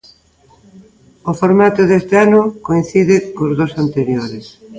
O formato deste ano coincide co dos anteriores.